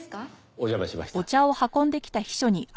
お邪魔しました。